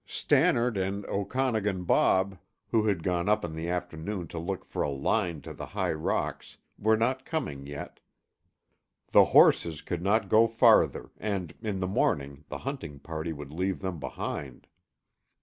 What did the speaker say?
Stannard and Okanagan Bob, who had gone up in the afternoon to look for a line to the high rocks, were not coming yet. The horses could not go farther and in the morning the hunting party would leave them behind.